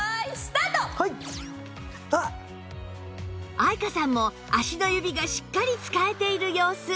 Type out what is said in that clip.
愛華さんも足の指がしっかり使えている様子